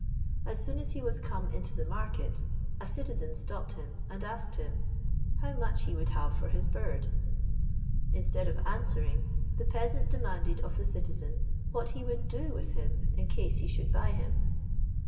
As soon as he was come into the market, a citizen stops him, and asked how much he would have for his bird? Instead of answering, the peasant demanded of the citizen what he would do with him in case he should buy him?